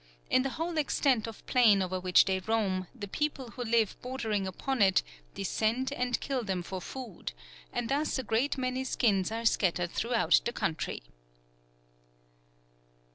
In the whole extent of plain over which they roam, the people who live bordering upon it descend and kill them for food, and thus a great many skins are scattered throughout the country."